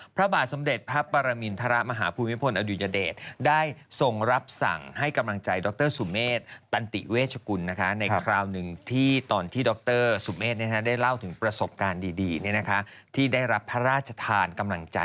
พระบาทสมเด็จพระปรมิลทะละมหาผู้มิพษ์พ่ออดู่ยเดช